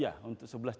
ya seluruh indonesia